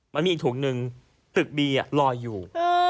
มันมีอีกถุงหนึ่งตึกบีลอยอยู่